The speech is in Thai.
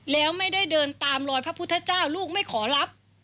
แล้วไม่ได้เดินตามรอยพระพุทธเจ้าลูกไม่ขอรับ